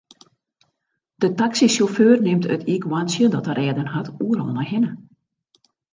De taksysjauffeur nimt it iikhoarntsje dat er rêden hat oeral mei hinne.